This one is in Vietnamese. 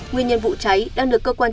nguyên nhân vụ cháy đang được cơ quan